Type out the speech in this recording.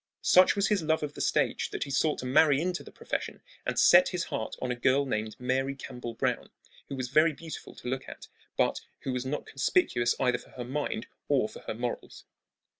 Such was his love of the stage that he sought to marry into the profession and set his heart on a girl named Mary Campbell Browne, who was very beautiful to look at, but who was not conspicuous either for her mind or for her morals.